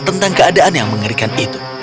tentang keadaan yang mengerikan itu